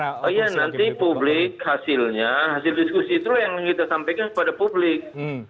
oh iya nanti publik hasilnya hasil diskusi itu yang kita sampaikan kepada publik